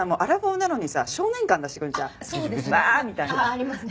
ああありますね。